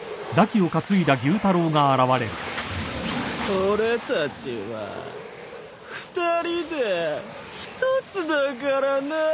俺たちは２人で一つだからなぁ。